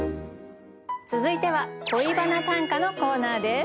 続いては「恋バナ短歌」のコーナーです。